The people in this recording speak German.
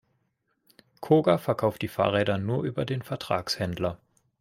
Koga verkauft die Fahrräder nur über den Vertragshändler.